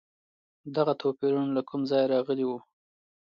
دغه توپیرونه له کوم ځایه راغلي وو؟